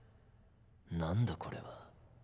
何だこれは？